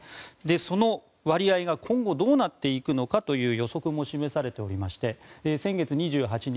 その割合が今後、どうなっていくのかという予測も示されていまして先月２８日